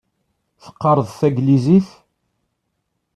Teqqareḍ tanglizit?